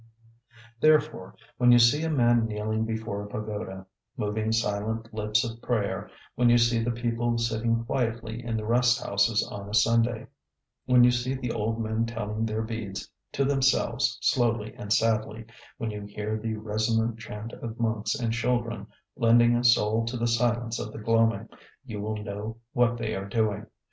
Therefore, when you see a man kneeling before a pagoda, moving silent lips of prayer, when you see the people sitting quietly in the rest houses on a Sunday, when you see the old men telling their beads to themselves slowly and sadly, when you hear the resonant chant of monks and children, lending a soul to the silence of the gloaming, you will know what they are doing.